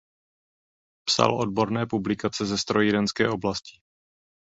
Psal odborné publikace ze strojírenské oblasti.